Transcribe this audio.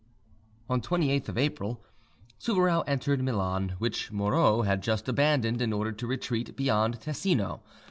On 28th of April, Souvarow entered Milan, which Moreau had just abandoned in order to retreat beyond Tesino.